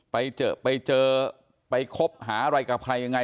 ไปเจอไปเจอไปคบหาอะไรกับใครยังไง